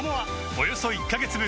およそ１カ月分